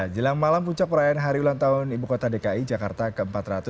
jelang malam puncak perayaan hari ulang tahun ibu kota dki jakarta ke empat ratus sembilan puluh